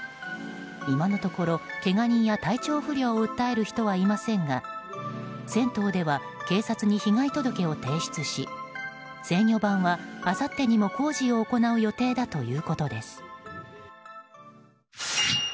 今のところ、けが人や体調不良を訴える人はいませんが銭湯では、警察に被害届を提出し制御盤はあさってにも工事を行う予定だということです。